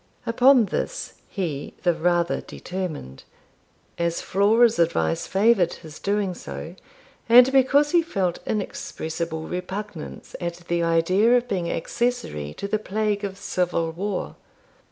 Upon this he the rather determined, as Flora's advice favoured his doing so, and because he felt inexpressible repugnance at the idea of being accessary to the plague of civil war.